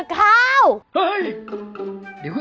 กระเว่นเต้นหน่อย